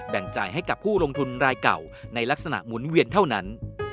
จ่ายให้กับผู้ลงทุนรายเก่าในลักษณะหมุนเวียนเท่านั้น